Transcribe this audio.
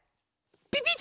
ピピッ！